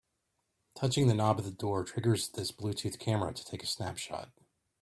Touching the knob of the door triggers this Bluetooth camera to take a snapshot.